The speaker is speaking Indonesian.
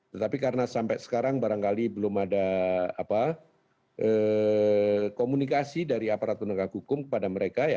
tetapi karena sampai sekarang barangkali belum ada komunikasi dari aparat penegak hukum kepada mereka